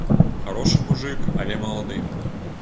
Харошы мужык, але малады.